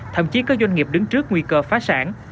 thậm chí có doanh nghiệp đứng trước nguy cơ phá sản